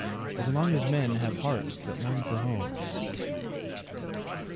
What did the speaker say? As long as men have hearts that long for homes.